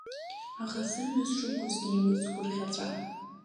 Аха сымҩа сшықәу снеиуеит сгәрӷаҵәа.